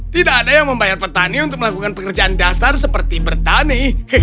tidak ada yang membayar petani untuk melakukan pekerjaan dasar seperti bertani